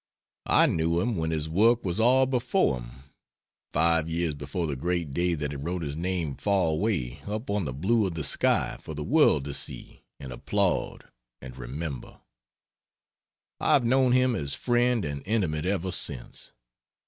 I knew him when his work was all before him five years before the great day that he wrote his name far away up on the blue of the sky for the world to see and applaud and remember; I have known him as friend and intimate ever since.